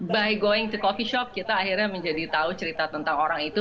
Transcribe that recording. by going to coffee shop kita akhirnya menjadi tahu cerita tentang orang itu